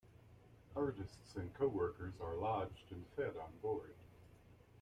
Artists and co-workers are lodged and fed on board.